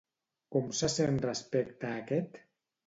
Com se sent respecte a aquest?